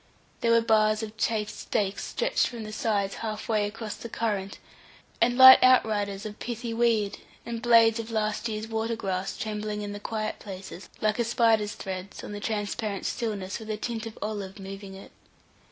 There were bars of chafed stakes stretched from the sides half way across the current, and light outriders of pithy weed, and blades of last year's water grass trembling in the quiet places, like a spider's threads, on the transparent stillness, with a tint of olive moving it.